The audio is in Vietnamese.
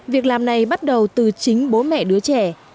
việc làm này bắt đầu từ chính bố mẹ đứa trẻ